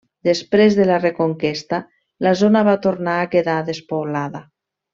Després de la reconquesta, la zona va tornar a quedar despoblada.